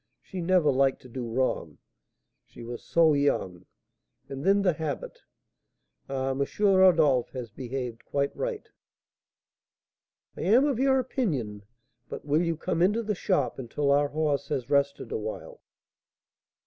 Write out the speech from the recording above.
she never liked to do wrong, she was so young! And then the habit! Ah, M. Rodolph has behaved quite right!" "I am of your opinion. But will you come into the shop until our horse has rested awhile?"